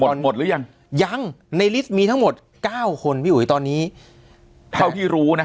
หมดหรือยังยังในลิสต์มีทั้งหมดเก้าคนพี่อุ๋ยตอนนี้เท่าที่รู้นะ